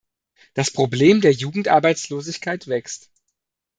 Das Problem der Jugendarbeitslosigkeit wächst.